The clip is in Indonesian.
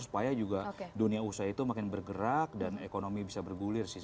supaya juga dunia usaha itu makin bergerak dan ekonomi bisa bergulir sih